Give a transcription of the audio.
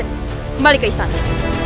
kembali ke istana